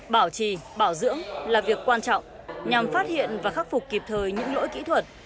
bảo trì bảo dưỡng là việc quan trọng nhằm phát hiện và khắc phục kịp thời những lỗi kỹ thuật